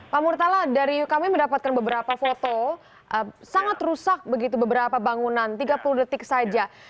pak murtala dari kami mendapatkan beberapa foto sangat rusak begitu beberapa bangunan tiga puluh detik saja